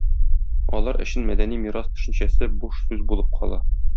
Алар өчен мәдәни мирас төшенчәсе буш сүз булып кала.